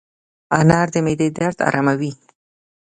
انار د معدې درد اراموي.